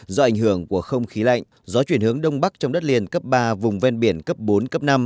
do ảnh hưởng của không khí lạnh gió chuyển hướng đông bắc trong đất liền cấp ba vùng ven biển cấp bốn cấp năm